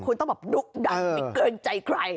คุณต้องแบบดุดันไม่เกินใจใคร